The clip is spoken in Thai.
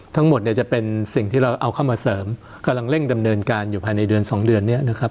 ทั้งหมดเนี่ยจะเป็นสิ่งที่เราเอาเข้ามาเสริมกำลังเร่งดำเนินการอยู่ภายในเดือนสองเดือนเนี่ยนะครับ